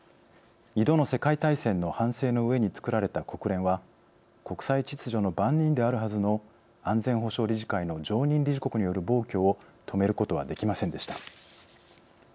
２度の世界大戦の反省のうえにつくられた国連は国際秩序の番人であるはずの安全保障理事会の常任理事国による暴挙を止めることはできませんでした。